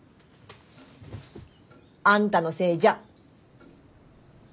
あんたのせいじゃ。